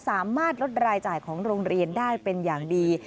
สามารถลดรายจ่ายของโรงเรียนได้เป็นอย่างดี